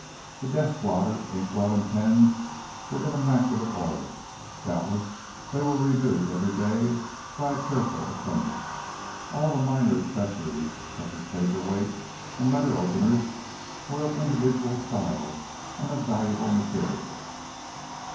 The desk blotter, inkwell, and pens were in immaculate order, doubtless they were renewed every day by a careful attendant. All the minor accessories, such as paperweights and letter openers were of individual styles and of valuable materials.